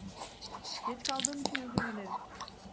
Geç kaldığım için özür dilerim.